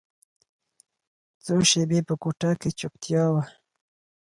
څو شېبې په کوټه کښې چوپتيا وه.